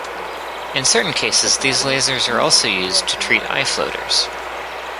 In certain cases these lasers are also used to treat eye floaters.